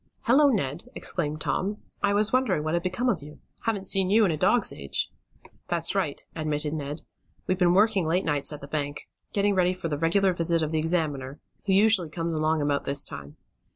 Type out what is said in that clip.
"Hello, Ned!" exclaimed Tom. "I was wondering what had become of you. Haven't seen you in a dog's age." "That's right," admitted Ned. "We've been working late nights at the bank. Getting ready for the regular visit of the examiner, who usually comes along about this time.